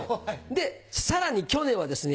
さらに去年はですね